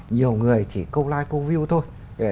nhiều người thì câu like câu view thôi